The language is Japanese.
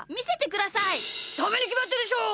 ダメにきまってるでしょ！